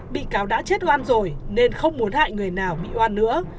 bị cáo đã chết oan rồi nên không muốn hại người nào bị oan nữa